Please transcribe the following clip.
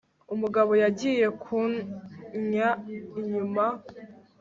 umugabo yagiye kunnya inyuma